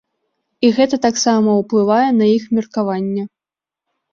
І гэта таксама ўплывае на іх меркаванне.